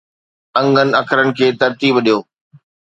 انگن اکرن کي ترتيب ڏيو